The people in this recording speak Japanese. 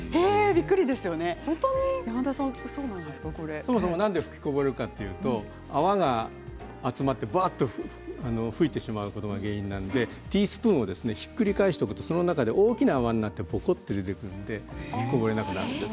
そもそも、なぜ吹きこぼれるかというと泡が集まって噴いてしまうことが原因なのでティースプーンをひっくり返しておくとその中で大きな泡になってぽこっと出てきますので吹きこぼれなくなるんです。